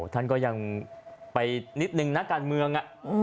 ท่านก็ยังไปนิดนึงนักการเมือง